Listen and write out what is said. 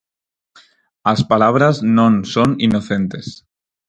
As palabras non son inocentes.